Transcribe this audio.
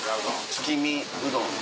月見うどんで。